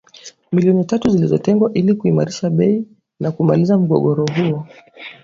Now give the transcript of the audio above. Milioni tatu zilizotengwa ili kuimarisha bei na kumaliza mgogoro huo.